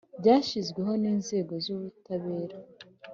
Byashyizweho n inzego z ubutabera